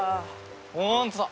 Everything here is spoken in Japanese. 本当だ！